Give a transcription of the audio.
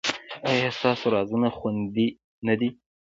ایا ستاسو رازونه خوندي نه دي؟